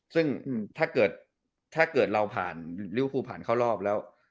ซึ่งถ้าเกิดเราผ่านวิวฟูผ่านเข้ารอบแล้ว